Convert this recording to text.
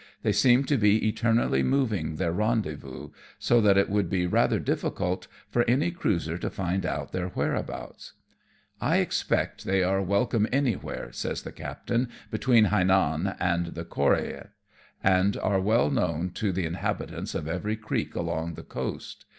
They seem to be eternally moving their rendezvous, so that it would be rather difficult for any cruiser to find out their whereabouts." " I expect they are welcome anywhere," says the captain, "between Hainan and the Corea, and are well known to the inhabitants of every creek along the coast.